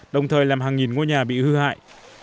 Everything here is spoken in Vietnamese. đồng thời làm hàng nghìn ngôi nhà bị hư hại